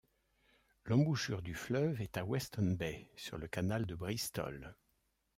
L'embouchure du fleuve est à Weston Bay, sur le canal de Bristol.